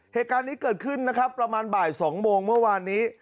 เหตุการณ์นี้เกิดขึ้นนะครับประมาณบ่าย๒โมงเมื่อวานนี้